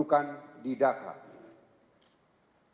untuk presiden indonesia joko widodo